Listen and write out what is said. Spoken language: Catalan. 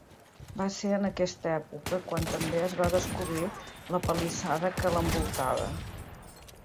Va ser en aquesta època quan també es va descobrir la palissada que l'envoltava.